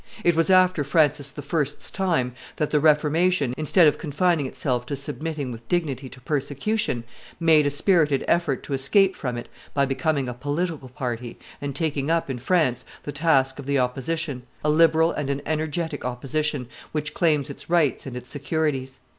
It was after Francis I.'s time that the Reformation, instead of confining itself to submitting with dignity to persecution, made a spirited effort to escape from it by becoming a political party, and taking up, in France, the task of the opposition a liberal and an energetic opposition, which claims its rights and its securities.